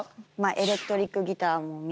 エレクトリックギターも皆さん